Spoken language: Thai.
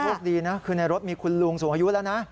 คดีนะคือในรถมีคุณลุงสูงอายุแล้วนะ